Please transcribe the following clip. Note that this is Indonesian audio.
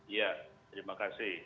iya terima kasih